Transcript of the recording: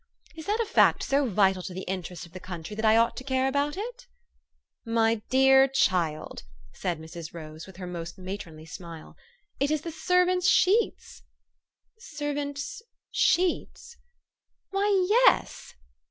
Is that a fact so vital to the interests of the country, that I ought to care about it? "" My dear child," cried Mrs. Rose with her most matronly smile, " it is the servants' sheets !"" Servants' sheets?" "Why, yes.